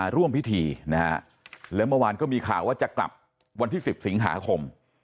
ร่วมพิธีนะฮะแล้วเมื่อวานก็มีข่าวว่าจะกลับวันที่๑๐สิงหาคม